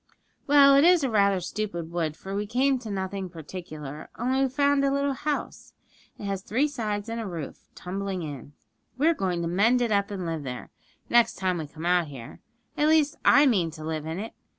'Well, it is rather a stupid wood, for we came to nothing particular; only we've found a little house. It has three sides and a roof tumbling in. We're going to mend it up, and live there, next time we come out here. At least, I mean to live in it.